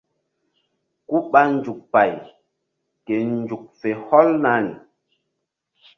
Ku ɓa nzuk pay ke nzuk fe hɔlna pi.